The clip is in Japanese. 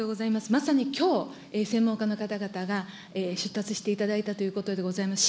まさにきょう、専門家の方々が出立していただいたということでございます。